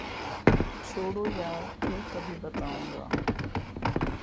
چھوڑو یار ، پھر کبھی بتاؤں گا۔